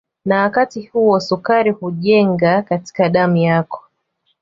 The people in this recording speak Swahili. Na wakati huo sukari hujenga katika damu yako